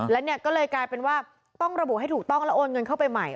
และเนี่ยก็เลยกลายเป็นว่าต้องระบุให้ถูกต้องแล้วโอนเงินเข้าไปใหม่